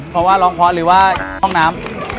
เพราะว่าร้องพอร์ตหรือว่าน้ำ